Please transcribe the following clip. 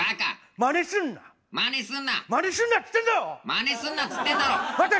・まねすんなっつってんだろ！